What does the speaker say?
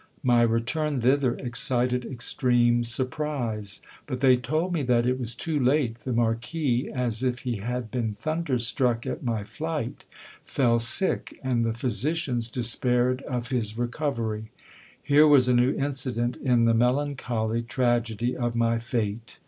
My return thither 'excited extreme surprise : but they told me that it was too late ; the marquis, as if he had been thunderstruck at my flight, fell sick ; and the physicians despaired of his recovery. Here was a new incident in the melancholy tragedy of my fate.